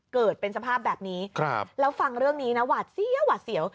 เกิดเป็นสภาพแบบนี้แล้วฟังเรื่องนี้นะหวาดเสียวหวาดเสียว